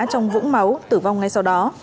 trong vũng máu tử vong ngay sau đó